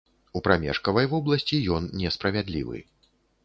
У прамежкавай вобласці ён несправядлівы.